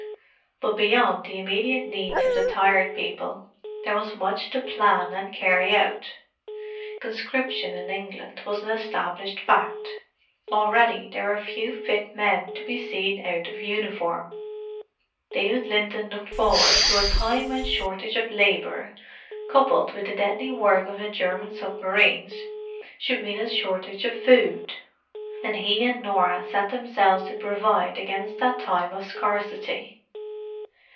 But beyond the immediate needs of the Tired People there was much to plan and carry out. Conscription in England was an established fact; already there were few fit men to be seen out of uniform. David Linton looked forward to a time when shortage of labour, coupled with the deadly work of the German submarines, should mean a shortage of food; and he and Norah set themselves to provide against that time of scarcity.